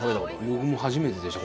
僕も初めてでした